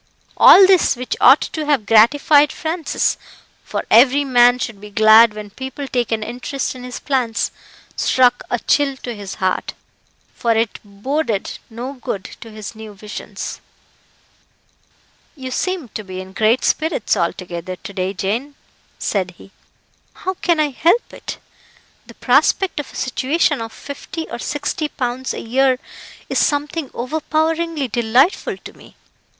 All this, which ought to have gratified Francis for every man should be glad when people take an interest in his plans struck a chill to his heart, for it boded no good to his new visions. "You seem to be in great spirits altogether, to day, Jane," said he. "How can I help it? The prospect of a situation of fifty or sixty pounds a year is something overpoweringly delightful to me.